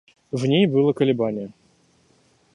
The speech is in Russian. В ней было колебание.